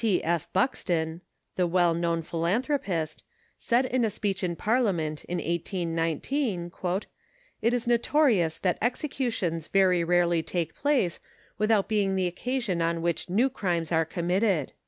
T. F. Buxton, the well known philanthropist, said in a speech in Parliament in 1819, <* it is notorious that executions very rarely take place, without being the occasion on which new crimes are committed."